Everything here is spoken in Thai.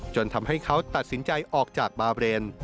จนทำให้เขาตัดสินใจออกจากบาเรน